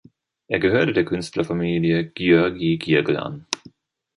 Er gehörte der Künstlerfamilie Györgyi-Giergl an.